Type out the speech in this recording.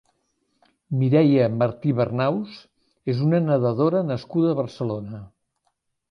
Mireia Martí Bernaus és una nedadora nascuda a Barcelona.